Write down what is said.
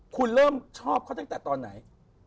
คุณเริ่มชอบเขาตั้งแต่ตอนไหน